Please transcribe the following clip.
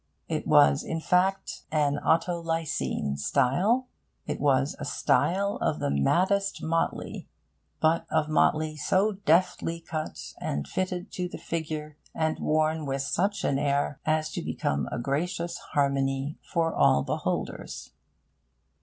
It was, in fact, an Autolycine style. It was a style of the maddest motley, but of motley so deftly cut and fitted to the figure, and worn with such an air, as to become a gracious harmony for all beholders.